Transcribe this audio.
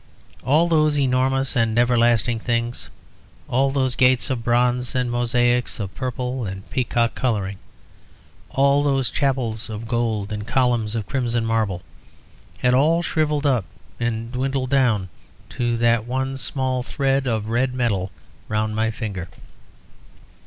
All those enormous and everlasting things, all those gates of bronze and mosaics of purple and peacock colouring, all those chapels of gold and columns of crimson marble, had all shrivelled up and dwindled down to that one small thread of red metal round my finger.